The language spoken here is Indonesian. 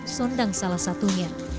sondang salah satunya